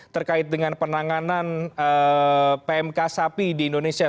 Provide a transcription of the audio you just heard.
terkait dengan penanganan pmk sapi di indonesia